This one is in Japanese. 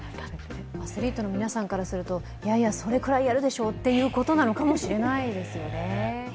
アスリートの皆さんからしたらそれくらいやるでしょっていうことなのかもしれないですね。